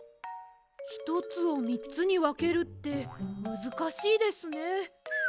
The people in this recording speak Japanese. ひとつをみっつにわけるってむずかしいですね。